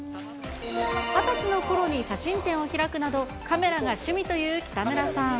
２０歳のころに写真展を開くなど、カメラが趣味という北村さん。